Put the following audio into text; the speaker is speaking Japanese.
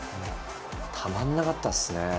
たまらなかったですね。